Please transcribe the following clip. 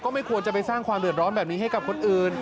ไม่ควรจะไปสร้างความเดือดร้อนแบบนี้ให้กับคนอื่น